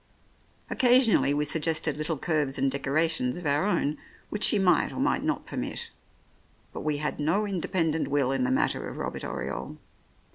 Occasionally we suggested little curves and decorations of our own, which she might or might not permit; but we had no independent will in the matter of Robert Oriole.